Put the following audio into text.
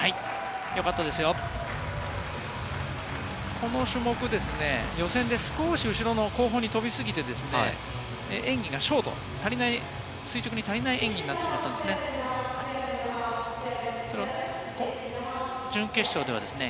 この種目、予選で少し後方に飛びすぎて演技がショート、垂直に足りない演技になってしまったんですね。